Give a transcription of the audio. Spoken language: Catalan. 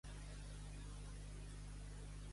Qui és el Martínez?